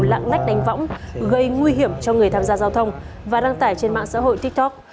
lạng lách đánh võng gây nguy hiểm cho người tham gia giao thông và đăng tải trên mạng xã hội tiktok